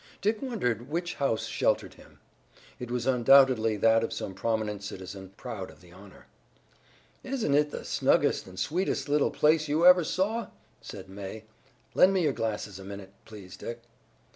Dick wondered which house sheltered him. It was undoubtedly that of some prominent citizen, proud of the honor. "Isn't it the snuggest and sweetest little place you ever saw?" said May. "Lend me your glasses a minute, please, Dick."